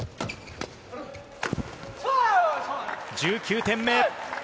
１９点目。